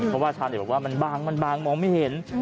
เพราะว่าชาวเน็ตบอกว่ามันบางมันบางมองไม่เห็น